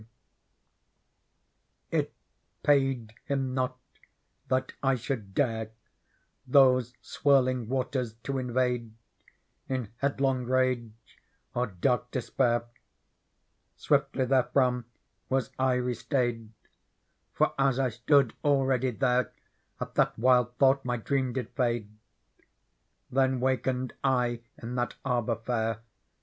Digitized by Google 50 PEARL It payed Him not that I should dare Those swirling^nrgte rs to inv ade In Beadlohg rage or dark despair : Swiftly therefrom was T restayed ; For, as I stood all ready_there. At that wild thought my dreamjid fade. Th«n wakened I in lliat Arbour fair.